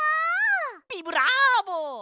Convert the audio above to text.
ビブラーボ！